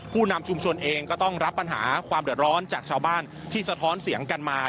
ผู้นำชุมชนเองก็ต้องรับปัญหาความเดือดร้อนจากชาวบ้านที่สะท้อนเสียงกันมา